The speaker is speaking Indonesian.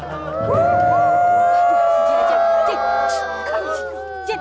aduh jajan jajan jajan